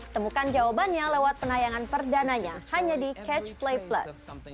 temukan jawabannya lewat penayangan perdananya hanya di catch play plus